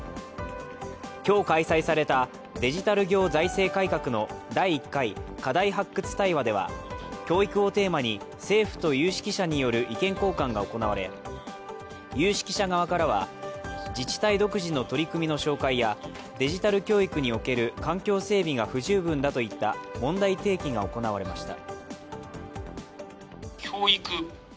今日開催されたデジタル行財政改革の第１回課題発掘対話では教育をテーマに政府と有識者による意見交換が行われ有識者側からは、自治体独自の取り組みの紹介やデジタル教育における環境整備が不十分だといった問題提起が行われました。